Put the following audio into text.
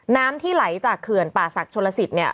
น้ำที่ไหลจากเขื่อนป่าศักดิชนลสิตเนี่ย